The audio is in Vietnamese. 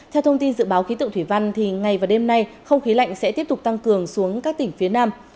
theo thông tin dự báo khí tượng thủy văn ngày và đêm nay không khí lạnh sẽ tiếp tục tăng cường xuống các tỉnh phía nam